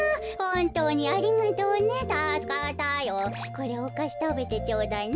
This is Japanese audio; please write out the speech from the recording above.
これおかしたべてちょうだいな。